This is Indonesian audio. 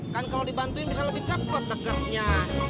kan kalo dibantuin bisa lebih cepet deketnya